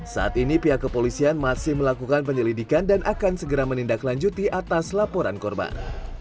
saat ini pihak kepolisian masih melakukan penyelidikan dan akan segera menindaklanjuti atas laporan korban